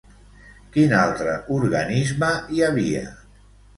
Quin altre organisme hi havia?